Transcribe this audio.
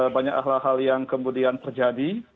banyak hal hal yang kemudian terjadi